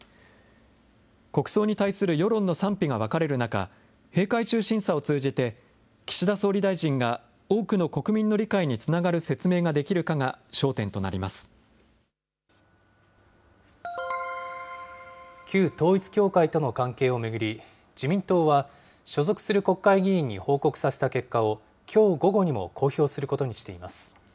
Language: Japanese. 国葬に対する世論の賛否が分かれる中、閉会中審査を通じて、岸田総理大臣が多くの国民の理解につながる説明ができるかが焦点旧統一教会との関係を巡り、自民党は、所属する国会議員に報告させた結果を、きょう午後にも公表することにしています。